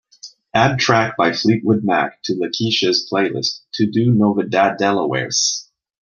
Add track by Fleetwood Mac to lakeisha's playlist TODO NOVEDADelawareS